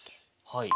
はい。